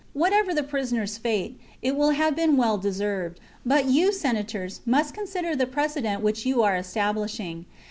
What ever the prisoners' fate, it will have been well de served ; but you. Senators, must consider the prece dent which you are establishing.